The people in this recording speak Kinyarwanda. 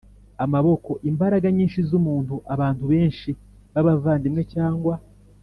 amaboko: imbaraga nyinshi z’umuntu, abantu benshi b’abavandimwe cyangwa